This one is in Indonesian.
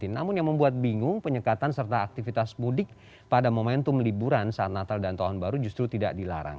namun yang membuat bingung penyekatan serta aktivitas mudik pada momentum liburan saat natal dan tahun baru justru tidak dilarang